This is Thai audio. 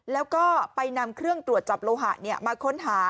แล้วก็ไปนำเครื่องตรวจจับโลหะมาค้นหา